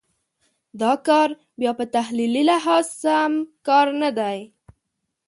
دا کار بیا په تحلیلي لحاظ سم کار نه دی.